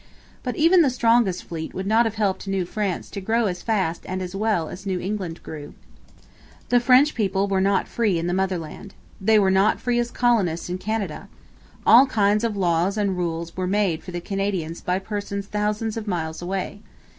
But even the strongest fleet would not have helped New France to grow as fast and as well as New England grew. The French people were not free in the motherland. They were not free as colonists in Canada. All kinds of laws and rules were made for the Canadians by persons thousands of miles away.